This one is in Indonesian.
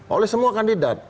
oleh semua kandidat